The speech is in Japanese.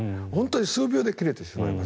数秒で切れてしまいます。